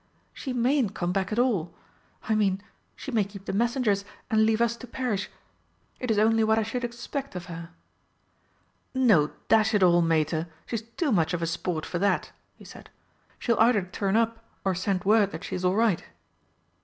"She mayn't come back at all. I mean, she may keep the messengers and leave us to perish. It is only what I should expect of her!" "No, dash it all, Mater, she's too much of a sport for that," he said. "She'll either turn up or send word that she's all right."